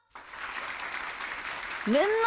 みんな！